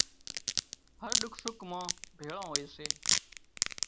هر ڏک سُک مان ڀيۯان هوئي سي